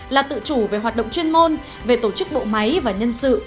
là tự chủ về hoạt động chuyên môn về tổ chức bộ máy và nhân sự